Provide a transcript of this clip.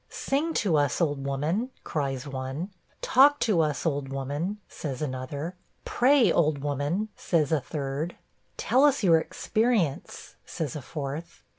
'Sing to us, old woman,' cries one. 'Talk to us, old woman,' says another. 'Pray, old woman,' says a third. 'Tell us your experience,' says a fourth.